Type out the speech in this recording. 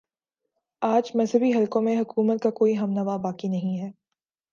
آج مذہبی حلقوں میں حکومت کا کوئی ہم نوا باقی نہیں ہے